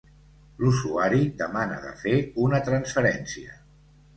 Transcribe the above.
L'usuari demana de fer una transferència.